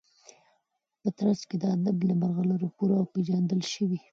په ترڅ کي د ادب د مرغلرو پوره او پیژندل شوي